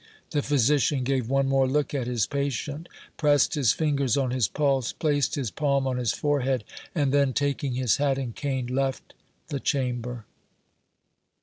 The physician gave one more look at his patient, pressed his fingers on his pulse, placed his palm on his forehead, and then, taking his hat and cane, left the chamber.